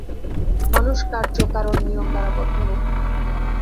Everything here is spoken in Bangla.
মানুষ কার্য-কারণ-নিয়ম দ্বারা বদ্ধ নয়।